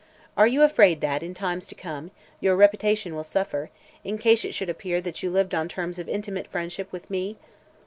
Are you afraid that, in times to come, your reputation will suffer; in case it should appear that you lived on terms of intimate friendship with me?"